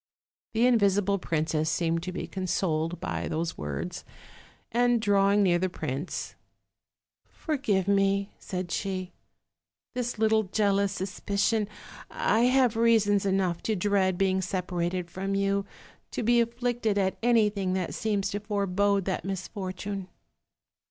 The invisible princess seemed to be consoled by those words, and drawing near the prince: "Forgive me r " said she, "this little jealous suspicion; I have reasons enough to dread being separated from you, to be afflicted at any thing that seems to forebode that misfortune."